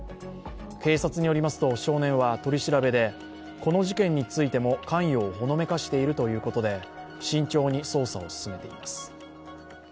警察によりますと少年は取り調べでこの事件についても関与をほのめかしているということで慎重に捜査を進めています。